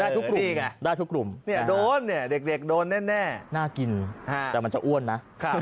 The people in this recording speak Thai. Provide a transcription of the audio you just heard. ได้ทุกกลุ่มได้ทุกกลุ่มเด็กโดนแน่น่ากินแต่มันจะอ้วนนะ